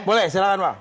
boleh silahkan pak